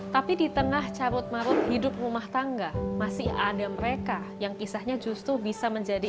tapi di tengah carut marut hidup rumah tangga masih ada mereka yang kisahnya justru bisa menjadi